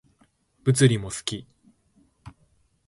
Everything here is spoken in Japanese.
物理も好き